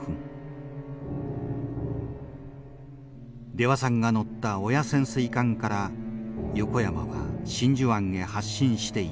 出羽さんが乗った親潜水艦から横山は真珠湾へ発進していった。